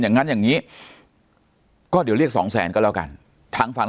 อย่างนั้นอย่างนี้ก็เดี๋ยวเรียกสองแสนก็แล้วกันทางฝั่ง